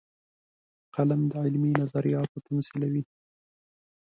قلم د علمي نظریاتو تمثیلوي